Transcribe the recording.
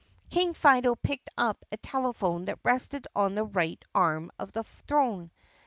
King Fido picked up a telephone that rested on the right arm of the throne.